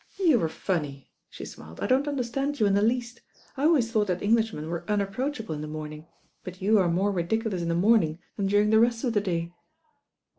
"You are funny," she smiled. "I don't understand you in the least. I always thought that Englishmen were unapproachable in the morning; but you are more ridiculous in the morning than during the rest of the day."